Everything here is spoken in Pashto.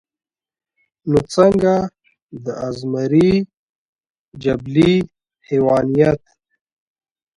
نو څنګه د ازمري جبلي حېوانيت